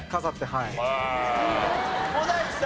はい。